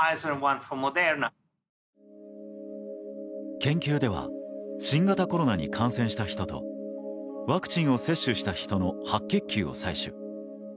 研究では新型コロナに感染した人とワクチンを接種した人の白血球を採取。